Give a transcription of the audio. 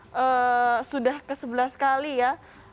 karena sudah ke sebelas kali ya